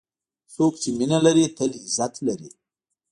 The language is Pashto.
څوک چې مینه لري، تل عزت لري.